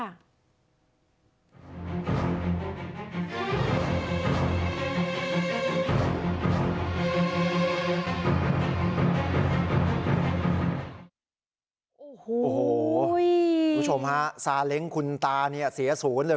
โอ้โหคุณผู้ชมฮะซาเล้งคุณตาเนี่ยเสียศูนย์เลย